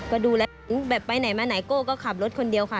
ก็ดูแล้วแบบไปไหนมาไหนโก้ก็ขับรถคนเดียวค่ะ